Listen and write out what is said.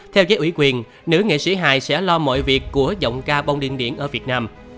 theo giấy ủy quyền nữ nghệ sĩ hài sẽ lo mọi việc của giọng ca bông điên điển ở việt nam